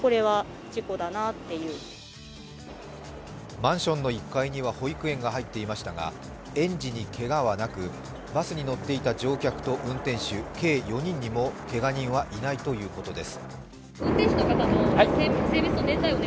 マンションの１階には保育園が入っていましたが園児にけがはなく、バスに乗っていた乗客と運転手計４人にもけが人はいないということです。